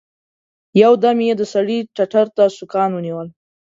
يو دم يې د سړي ټتر ته سوکان ونيول.